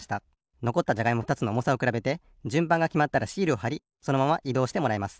のこったじゃがいもふたつのおもさをくらべてじゅんばんがきまったらシールをはりそのままいどうしてもらいます。